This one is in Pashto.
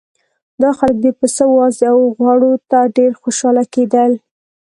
دا خلک د پسه وازدې او غوړو ته ډېر خوشاله کېدل.